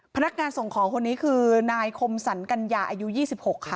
พนักงานส่งของคนนี้คือนายขมสรรกัญญายุยี่สิบหกค่ะ